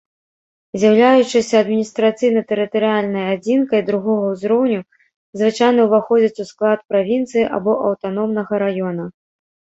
З'яўляючыся адміністрацыйна-тэрытарыяльнай адзінкай другога ўзроўню, звычайна ўваходзіць у склад правінцыі або аўтаномнага раёна.